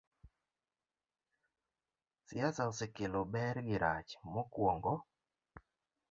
Siasa osekelo ber gi rach: Mokwongo,